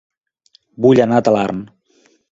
Vull anar a Talarn